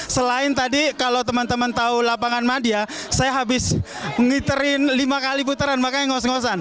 selain tadi kalau teman teman tahu lapangan madia saya habis ngiterin lima kali puteran makanya ngos ngosan